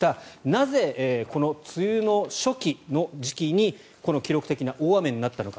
なぜ、この梅雨の初期の時期にこの記録的な大雨になったのか。